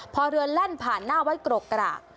พอเรือแล่นผ่านหน้าวัดกรกกราก